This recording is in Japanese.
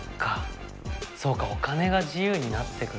そうかお金が自由になってくる。